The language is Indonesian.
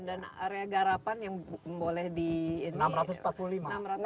empat ratus tujuh puluh delapan dan area garapan yang boleh di ini